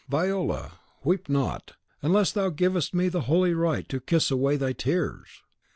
Viola, weep not, unless thou givest me the holy right to kiss away thy tears!"